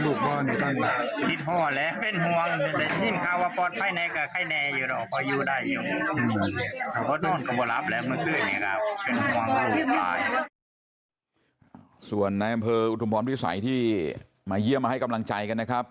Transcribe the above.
อุทธมพร้อมที่ใสที่มาเยี่ยมมาให้กำลังใจนะครับ